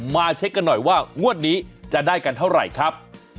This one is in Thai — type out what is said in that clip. มาเช็คกันหน่อยว่างวดนี้จะได้กันเท่าไหร่ครับ